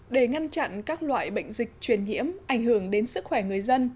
để ngăn chặn các loại bệnh dịch truyền nhiễm ảnh hưởng đến sức khỏe người dân